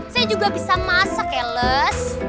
saya juga bisa masak ya les